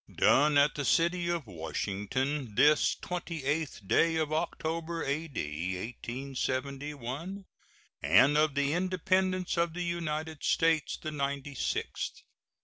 Done at the city of Washington, this 28th day of October, A.D. 1871, and of the Independence of the United States the ninety sixth.